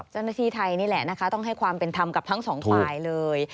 เจ้าหน้าที่ไทยนี่แหละนะคะต้องให้ความเป็นธรรมกับทั้งสองฝ่ายเลย